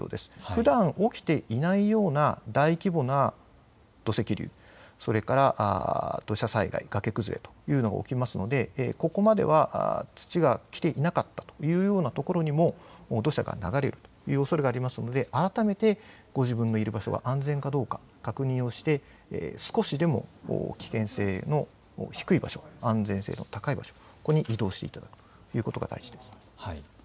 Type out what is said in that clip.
ふだん起きていないような大規模な土石流、それから土砂災害、崖崩れというのが起きるので、ここまでは土が来ていなかったというようなところにも土砂が流れるおそれがあるので改めてご自分のいる場所が安全かどうか確認をして少しでも危険性の低い場所安全性の高い場所に移動していただくということが大事です。